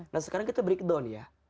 nah sekarang kita breakdown ya